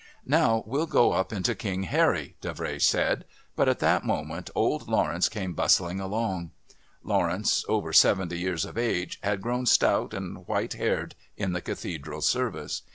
"Now we'll go up into King Harry," Davray said. But at that moment old Lawrence came bustling along. Lawrence, over seventy years of age, had grown stout and white haired in the Cathedral's service.